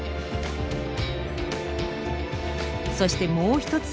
そしてもう一つ